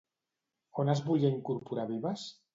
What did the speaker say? On es volia incorporar Vives?